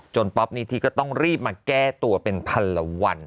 ป๊อปนิธิก็ต้องรีบมาแก้ตัวเป็นพันละวัน